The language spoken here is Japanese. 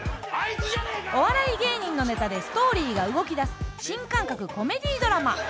お笑い芸人のネタでストーリーが動きだす新感覚コメディードラマ。